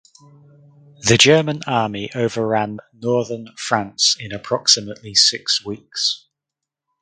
The German army overran northern France in approximately six weeks.